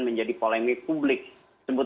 menjadi polemik publik sebut